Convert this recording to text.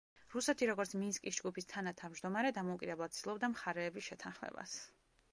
რუსეთი, როგორც მინსკის ჯგუფის თანათავმჯდომარე, დამოუკიდებლად ცდილობდა მხარეების შეთანხმებას.